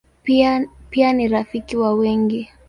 Pia ni rafiki wa wengi.